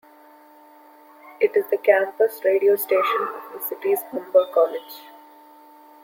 It is the campus radio station of the city's Humber College.